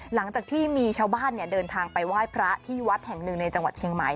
หลังจากที่มีชาวบ้านเดินทางไปไหว้พระที่วัดแห่งหนึ่งในจังหวัดเชียงใหม่